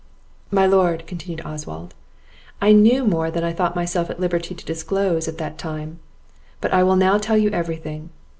"My lord," continued Oswald, "I knew more than I thought myself at liberty to disclose at that time; but I will now tell you every thing.